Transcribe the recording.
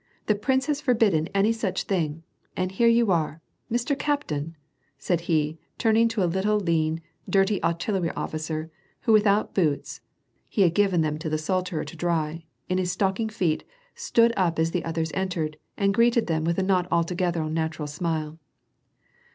The prince has forbidden any such thing. — And here you are, Mr. Captain!" said he turning to a little lean, dirty artillery officer, who without boots (he had given them to the sutler to dry) in his stocking feet, stood up as the others entered, and greeted them with a not altogether natural smile.